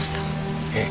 ええ。